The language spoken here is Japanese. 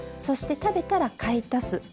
そして食べたら買い足す。